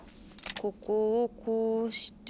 ここをこうして。